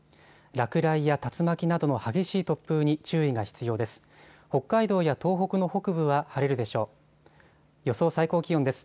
落雷や竜巻などの激しい突風に注意が必要です。